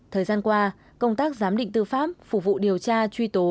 thời gian qua công tác giám định tư pháp phục vụ điều tra truy tố